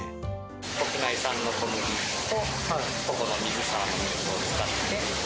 国内産の小麦とここの水沢の水を使って。